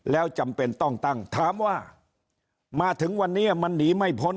แล้วจำเป็นต้องตั้งถามว่ามาถึงวันนี้มันหนีไม่พ้น